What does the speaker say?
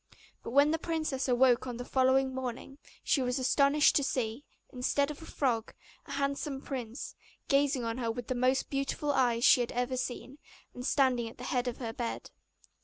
But when the princess awoke on the following morning she was astonished to see, instead of the frog, a handsome prince, gazing on her with the most beautiful eyes she had ever seen, and standing at the head of her bed.